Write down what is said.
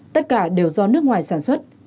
tất cả đều do nước ngoài sản xuất